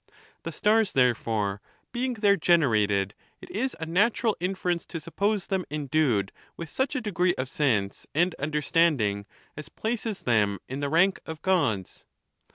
The stars, therefore, being there genei ated, it is a natu ral inference to suppose them endued with such a degree of sense and understanding as places them in the rank of Gods.